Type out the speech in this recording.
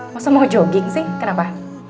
masa mau jogging sih kenapa